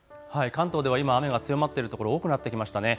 関東では今雨が強まっている所多くなってきましたね。